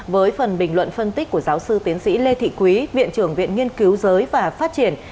với phần bình luận phân tích của giáo sư tiến sĩ lê thị quý viện trưởng viện nghiên cứu giới và phát triển